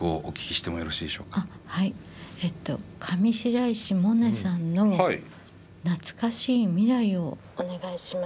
えっと上白石萌音さんの「懐かしい未来」をお願いします。